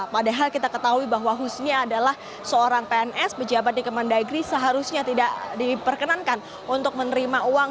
padahal kita ketahui bahwa husni adalah seorang pns pejabat di kemendagri seharusnya tidak diperkenankan untuk menerima uang